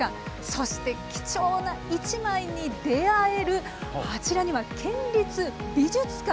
そして貴重な一枚に出会えるあちらには県立美術館。